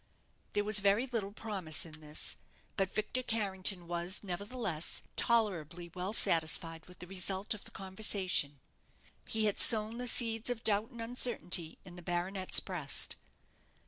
There was very little promise in this; but Victor Carrington was, nevertheless, tolerably well satisfied with the result of the conversation. He had sown the seeds of doubt and uncertainty in the baronet's breast.